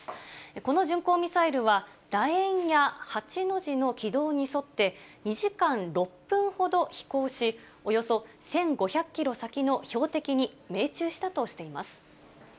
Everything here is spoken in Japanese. この巡航ミサイルは、だ円や、８の字の軌道に沿って、２時間６分ほど飛行し、およそ１５００キロ先の標的に命中したとしています。